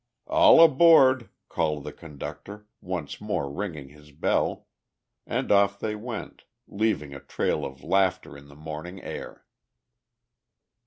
"All aboard," called the conductor, once more ringing his bell, and off they went, leaving a trail of laughter in the morning air.